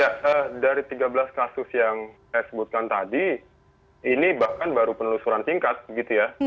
ya dari tiga belas kasus yang saya sebutkan tadi ini bahkan baru penelusuran singkat gitu ya